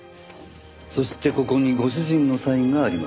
そしてここにご主人のサインがあります。